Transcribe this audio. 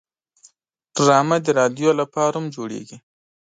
ډرامه د رادیو لپاره هم جوړیږي